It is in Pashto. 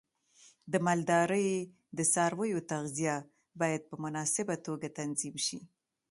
د مالدارۍ د څارویو تغذیه باید په مناسبه توګه تنظیم شي.